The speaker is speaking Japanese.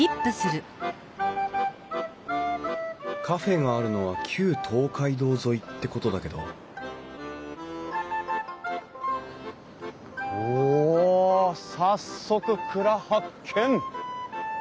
カフェがあるのは旧東海道沿いってことだけどお早速蔵発見。